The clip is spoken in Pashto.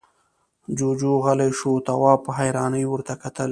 جُوجُو غلی شو، تواب په حيرانۍ ورته کتل…